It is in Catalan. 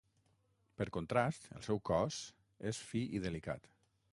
Per contrast, el seu cos és fi i delicat.